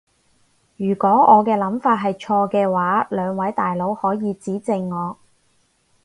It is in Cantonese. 如果我嘅諗法係錯嘅話，兩位大佬可以指正我